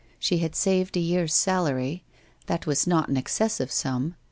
She had saved a year's salary. That was not an excessive sum.